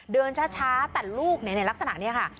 เดินช้าแต่ลูกในลักษณะนี้ค่ะ